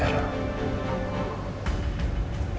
gak pernah ketemu bapaknya